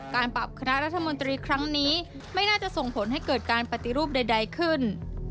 การปรับคณะรัฐมนตรีครั้งนี้ไม่น่าจะส่งผลให้เกิดการปฏิรูปใดขึ้น